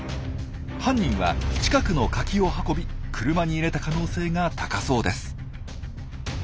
犯人は近くのカキを運び車に入れた可能性が高そうです。